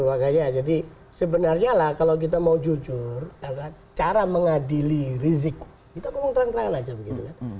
makanya jadi sebenarnya lah kalau kita mau jujur cara mengadili rizik kita ngomong terang terang aja begitu kan